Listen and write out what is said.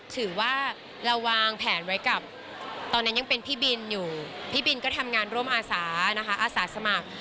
ถือว่าเราวางแผนไว้กับตอนนั้นยังเป็นพี่บินอยู่พี่บินก็ทำงานร่วมอาสานะคะอาสาสมัคร